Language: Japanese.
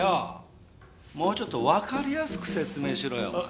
もうちょっとわかりやすく説明しろよ。